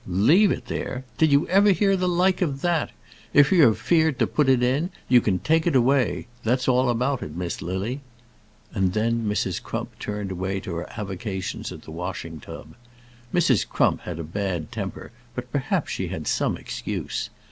"Leave it there! Did you ever hear the like of that? If you're afeared to put it in, you can take it away; that's all about it, Miss Lily." And then Mrs. Crump turned away to her avocations at the washing tub. Mrs. Crump had a bad temper, but perhaps she had some excuse.